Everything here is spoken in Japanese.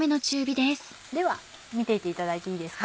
では見ていていただいていいですか？